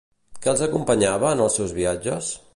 Què els acompanyava en els seus viatges?